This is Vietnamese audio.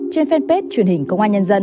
trên fanpage truyền hình công an nhân dân